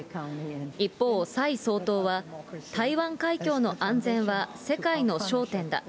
一方、蔡総統は、台湾海峡の安全は、世界の焦点だ。